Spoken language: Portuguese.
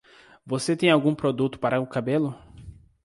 Você tem algum produto para o cabelo?